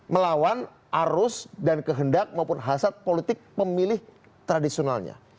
melawan arus dan kehendak maupun hasad politik pemilih tradisionalnya